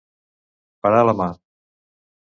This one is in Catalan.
Parar la mà.